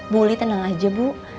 boleh tenang aja bu